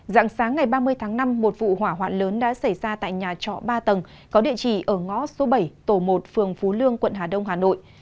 dạng sáng ngày ba mươi tháng năm một vụ hỏa hoạn lớn đã xảy ra tại nhà trọ ba tầng có địa chỉ ở ngõ số bảy tổ một phường phú lương quận hà đông hà nội